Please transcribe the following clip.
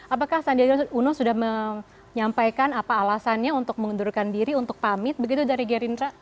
apakah sandiaga uno sudah menyampaikan apa alasannya untuk mengundurkan diri untuk pamit begitu dari gerindra